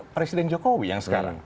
presiden jokowi yang sekarang